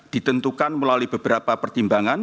ditentukan melalui beberapa pertimbangan